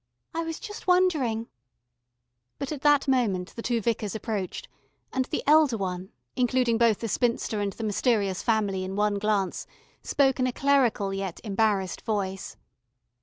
"I was just wondering " But at that moment the two Vicars approached, and the elder one, including both the spinster and the mysterious family in one glance, spoke in a clerical yet embarrassed voice.